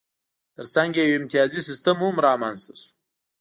ترڅنګ یې یو امتیازي سیستم هم رامنځته شو